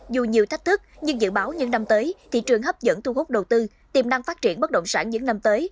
dù nhiều thách thức nhưng dự báo những năm tới thị trường hấp dẫn thu hút đầu tư tiềm năng phát triển bất động sản những năm tới